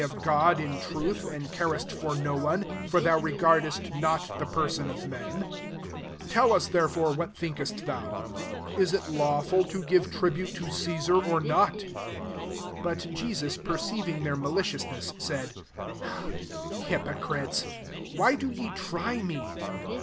t» mj of Gpd in truth, and xarest for no one: for thou regardest not the person of men» 1 7 Tell us, therefore, what thinkest thou ? Is it lawful to give tri bute to Cesar, or not ?" 18 But lesus perceiving their mali ciousness, said, <' Hypocrites! Why do ye try me